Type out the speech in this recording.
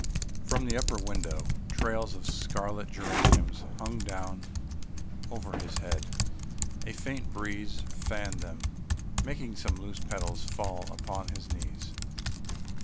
From the upper window trails of scarlet geraniums hung down over his head; a faint breeze fanned them, making some loose petals fall upon his knees.